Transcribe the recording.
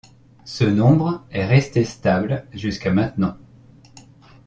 Ce nombre est resté stable jusqu’à maintenant.